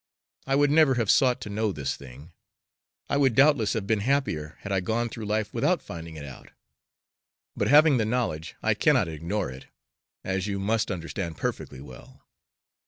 I would never have sought to know this thing; I would doubtless have been happier had I gone through life without finding it out; but having the knowledge, I cannot ignore it, as you must understand perfectly well.